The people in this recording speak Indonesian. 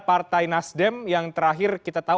partai nasdem yang terakhir kita tahu